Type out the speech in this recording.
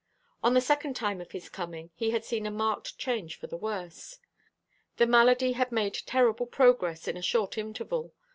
On the second time of his coming he had seen a marked change for the worse. The malady had made terrible progress in a short interval.